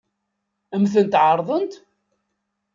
Ad m-tent-ɛeṛḍent?